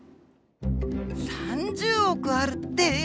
３０億あるって。